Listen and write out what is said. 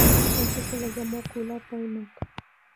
A este se le llamó Kula Diamond.